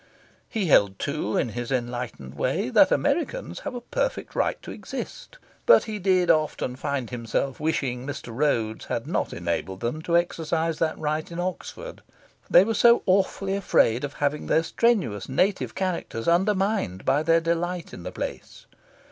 He held, too, in his enlightened way, that Americans have a perfect right to exist. But he did often find himself wishing Mr. Rhodes had not enabled them to exercise that right in Oxford. They were so awfully afraid of having their strenuous native characters undermined by their delight in the place.